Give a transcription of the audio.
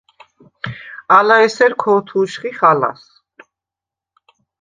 ალა ესერ ქო̄თუშხიხ ალას.